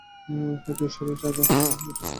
হয়তো ইশ্বরও চায় না এটা হোক।